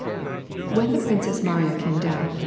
When the Princess Mariya came down.